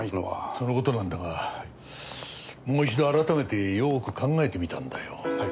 その事なんだがもう一度改めてよく考えてみたんだよ。